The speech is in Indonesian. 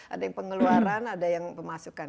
ada yang pengeluaran ada yang pemasukan